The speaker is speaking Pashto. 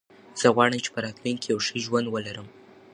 زه غواړم چې په راتلونکي کې یو ښه ژوند ولرم.